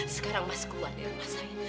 sekarang mas keluar di rumah saya